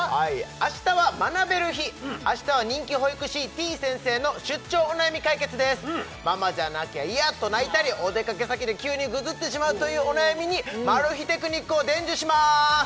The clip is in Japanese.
明日は学べる日明日は人気保育士てぃ先生の出張お悩み解決です「ママじゃなきゃ嫌」と泣いたりお出かけ先で急にぐずってしまうというお悩みにマル秘テクニックを伝授します